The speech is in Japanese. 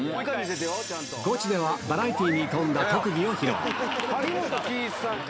ゴチでは、バラエティーに富んだ特技を披露。